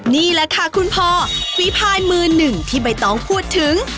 นี่แหละค่ะคุณพ่อฝีพายมือหนึ่งที่ใบตองพูดถึง